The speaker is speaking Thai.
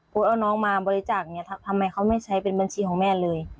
เอาน้องมาบริจาคเนี่ยทำไมเขาไม่ใช้เป็นบัญชีของแม่เลย